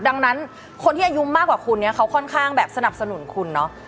ดังนั้นคนที่อายุมากกว่าคุณเนี่ยเขาค่อนข้างแบบสนับสนุนคุณเนาะ